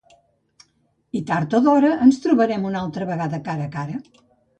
I tard o d'hora ens trobarem una altra vegada cara a cara.